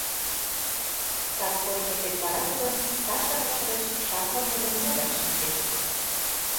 Кас кочкыш деч вара тудо Саша ваштареш шахмат дене модаш шинчеш